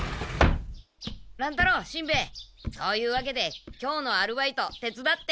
乱太郎しんべヱそういうわけで今日のアルバイト手つだって。